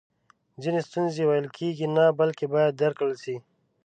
ځینې ستونزی ویل کیږي نه بلکې باید درک کړل سي!